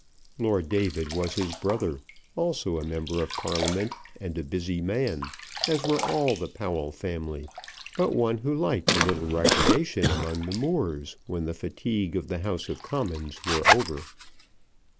Lord David was his brother, also a Member of Parliament, and a busy man, as were all the Powell family; but one who liked a little recreation among the moors when the fatigue of the House of Commons were over.